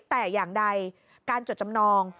แต่อย่างใดการจดจำนอง